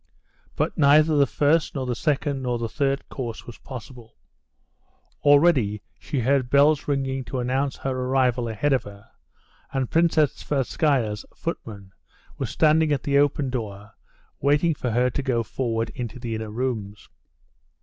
But neither the first nor the second nor the third course was possible. Already she heard bells ringing to announce her arrival ahead of her, and Princess Tverskaya's footman was standing at the open door waiting for her to go forward into the inner rooms.